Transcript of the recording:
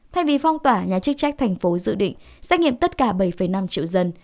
thay vì phong tỏa nhà chức trách thành phố dự định xét nghiệm tất cả bảy năm triệu dân